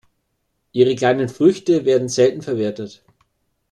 Ihre kleinen Früchte werden selten verwertet.